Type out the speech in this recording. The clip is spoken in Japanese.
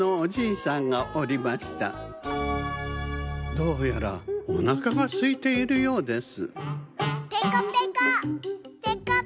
どうやらおなかがすいているようです